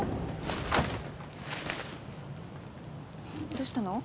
どうしたの？